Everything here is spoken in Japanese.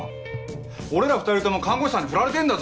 俺ら２人とも看護師さんにフラれてんだぞ。